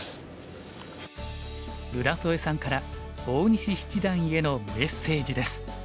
浦添さんから大西七段へのメッセージです。